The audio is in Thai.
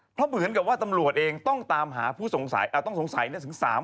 เพราะเหมือนกับว่าตำรวจเองต้องสงสัยถึง๓คนด้วยกันนะฮะ